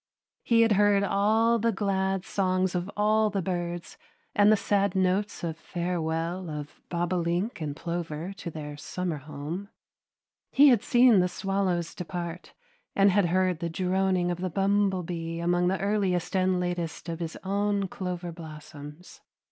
He had heard all the glad songs of all the birds and the sad notes of farewell of bobolink and plover to their summer home; he had seen the swallows depart and had heard the droning of the bumblebee among the earliest and latest of his own clover blossoms.